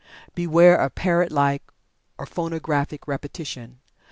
Beware of parrot like or phonographic repetition.